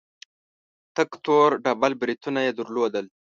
تک تور ډبل برېتونه يې درلودل.